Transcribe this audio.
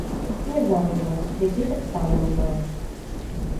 Не замужам, дзяцей таксама не мае.